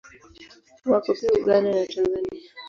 Wako pia Uganda na Tanzania.